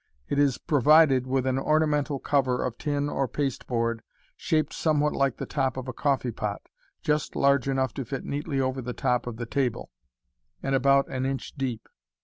It is provided with an ornamental cover of tin or pasteboard, shaped somewhat like the top of a coffee pot, just large enough to fit neatly over the top of the table, and about *n inch deep.